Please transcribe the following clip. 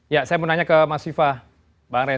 ya saya mau nanya ke mas sifah mbak rey